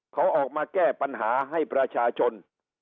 เขาออกมาแก้ปัญหาให้ประชาชน